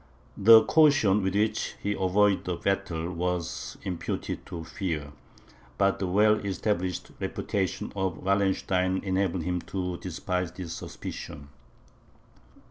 The caution with which he avoided a battle was imputed to fear; but the well established reputation of Wallenstein enabled him to despise this suspicion.